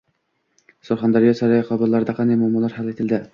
Surxondaryo: sayyor qabullarda qanday muammolar hal etildi?